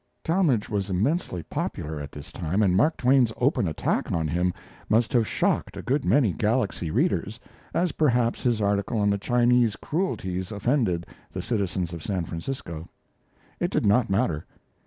Talmage was immensely popular at this time, and Mark Twain's open attack on him must have shocked a good many Galaxy readers, as perhaps his article on the Chinese cruelties offended the citizens of San Francisco. It did not matter.